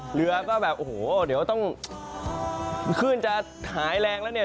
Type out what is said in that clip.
เหลือก็แบบโอ้โหเดี๋ยวต้องขึ้นจะหายแรงแล้วเนี่ย